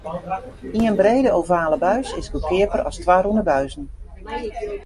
Ien brede ovale buis is goedkeaper as twa rûne buizen.